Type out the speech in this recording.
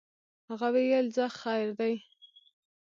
هغه ویل ځه خیر دی.